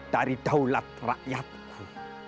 dari daulat rakyatku